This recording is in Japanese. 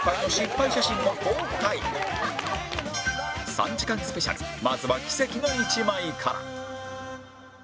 ３時間スペシャルまずは奇跡の１枚から